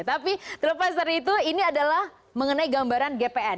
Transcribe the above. tapi terlepas dari itu ini adalah mengenai gambaran gpn